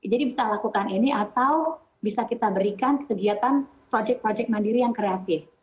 jadi bisa lakukan ini atau bisa kita berikan kegiatan projek projek mandiri yang kreatif